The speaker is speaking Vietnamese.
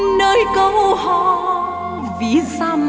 nơi câu hò ví dặm em thương